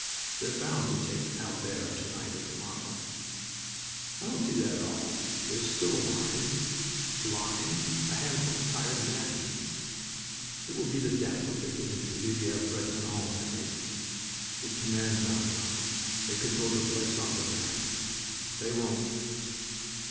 "They're bound to take Albert to night or to morrow." "I don't see that at all. There's still a line..." "A line! A handful of tired men." "It will be the devil if they get into Villers Bretonneux to night. It commands Amiens. They could blow the place off the map." "They won't."